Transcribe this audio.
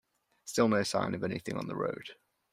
Still no sign of anything on the road.